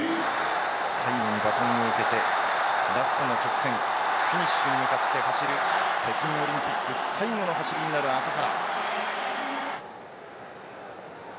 最後のバトンを受けてラストの直線フィニッシュに向かって走る北京オリンピック最後の走りになる朝原。